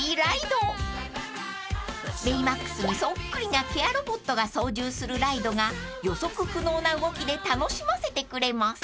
［ベイマックスにそっくりなケア・ロボットが操縦するライドが予測不能な動きで楽しませてくれます］